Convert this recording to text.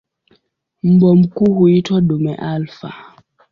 Mbwa mkuu huitwa "dume alfa".